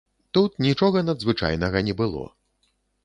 Тут нічога надзвычайнага не было.